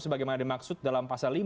sebagaimana dimaksud dalam pasal lima